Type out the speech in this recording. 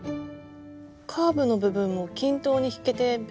カーブの部分も均等に引けて便利ですね。